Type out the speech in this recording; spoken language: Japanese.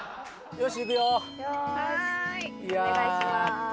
よしお願いします。